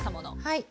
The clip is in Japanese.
はい。